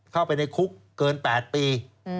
เข้าไปในคุกเกิน๘ปี